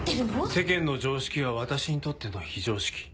世間の常識は私にとっての非常識。